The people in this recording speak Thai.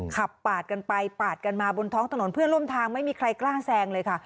ขับปาดกันไปปาดกันมาบนท้องถนนเพื่อนร่วมทางไม่มีใครกล้าแซงเลยค่ะ